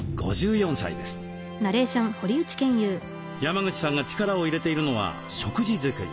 山口さんが力を入れているのは食事作り。